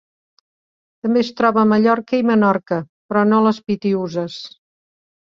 També es troba a Mallorca i Menorca però no a les Pitiüses.